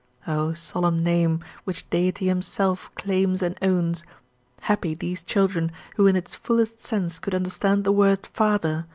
O solemn name, which Deity Himself claims and owns! Happy these children, who in its fullest sense could understand the word "father!"